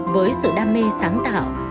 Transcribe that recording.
với sự đam mê sáng tạo